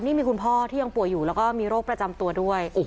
นี่มีคุณพ่อที่ยังป่วยอยู่แล้วก็มีโรคประจำตัวด้วย